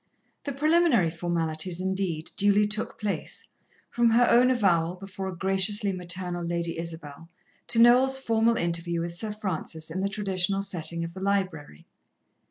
The preliminary formalities, indeed, duly took place, from her own avowal before a graciously maternal Lady Isabel, to Noel's formal interview with Sir Francis in the traditional setting of the library.